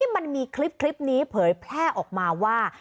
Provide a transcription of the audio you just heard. มันมีคลิปนี้เผยแพร่ออกมาว่า